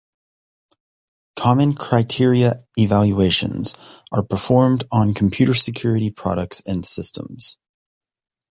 Common Criteria evaluations are performed on computer security products and systems.